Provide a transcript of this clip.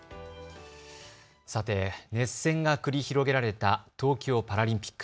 さて熱戦が繰り広げられた東京パラリンピック。